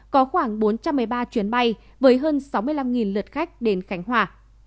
có khoảng bốn trăm một mươi ba chuyến bay với hơn sáu mươi năm lượt khách đến khánh hòa